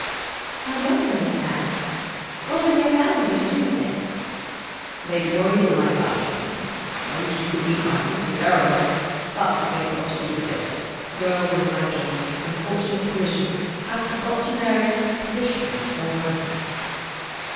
"I don't understand. What have your family got to do with it?" "They'd worry the life out of me. I wish you could meet my sister Caroline! That's what they've got to do with it. Girls in my daughter's unfortunate position have got to marry position or money."